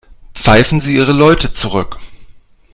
Pfeifen Sie Ihre Leute zurück.